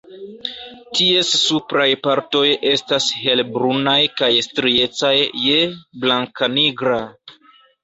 Ties supraj partoj estas helbrunaj kaj striecaj je blankanigra.